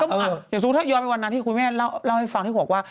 ถ้ายคุณคุณยอมไปวันนั้นที่คุณแม่เล่าให้ฟังที่หวกว่า